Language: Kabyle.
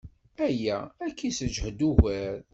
Aya ad k-yessejhed ugar.